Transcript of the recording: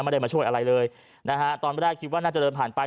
ไม่ได้มาช่วยอะไรเลยนะฮะตอนแรกคิดว่าน่าจะเดินผ่านไป